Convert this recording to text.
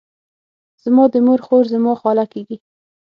زما د مور خور، زما خاله کیږي.